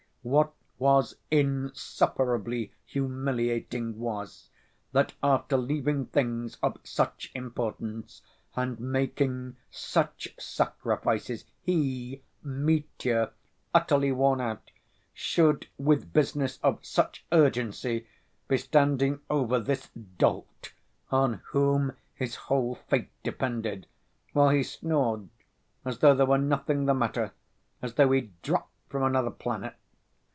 What was insufferably humiliating was, that after leaving things of such importance and making such sacrifices, he, Mitya, utterly worn out, should with business of such urgency be standing over this dolt on whom his whole fate depended, while he snored as though there were nothing the matter, as though he'd dropped from another planet.